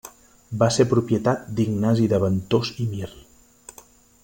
Va ser propietat d'Ignasi de Ventós i Mir.